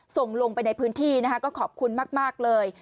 ส่งลงไปในพื้นที่นะคะก็ขอบคุณมากเลย